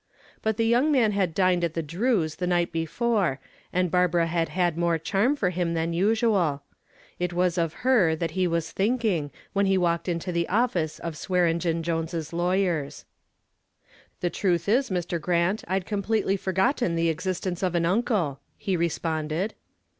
But the young man had dined at the Drews the night before and Barbara had had more charm for him than usual. It was of her that he was thinking when he walked into the office of Swearengen Jones's lawyers. "The truth is, Mr. Grant, I'd completely forgotten the existence of an uncle," he responded.